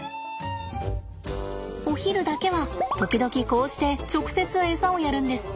お昼だけは時々こうして直接エサをやるんです。